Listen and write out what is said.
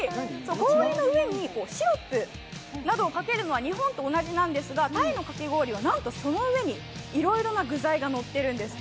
氷の上にシロップなどをかけるのは日本と同じなんですがタイのかき氷はなんとその上にいろいろな具材がのっているんです。